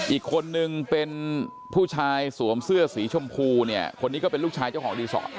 อีกคนนึงเป็นผู้ชายสวมเสื้อสีชมพูเนี่ยคนนี้ก็เป็นลูกชายเจ้าของรีสอร์ท